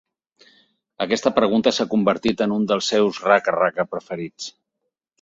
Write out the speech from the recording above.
Aquesta pregunta s’ha convertit en un dels seus raca-raca preferits.